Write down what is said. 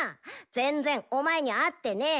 全然お前に合ってねぇ。